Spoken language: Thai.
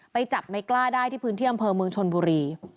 ไปจับในกล้าได้ที่พื้นที่อำเภอเมืองชนบุรี